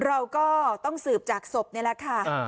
เราก็ต้องสืบจากศพนี่แหละค่ะ